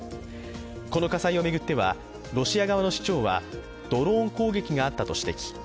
この火災を巡ってはロシア側の市長はドローン攻撃があったと指摘。